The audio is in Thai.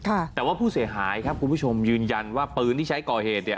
แต่ว่าผู้เสียหายครับคุณผู้ชมยืนยันว่าปืนที่ใช้ก่อเหตุเนี่ย